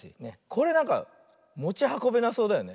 これなんかもちはこべなそうだよね。